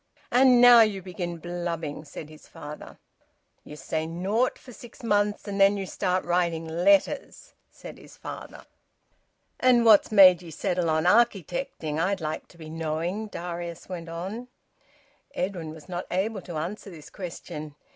"And now you begin blubbing!" said his father. "You say naught for six months and then you start writing letters!" said his father. "And what's made ye settle on architecting, I'd like to be knowing?" Darius went on. Edwin was not able to answer this question.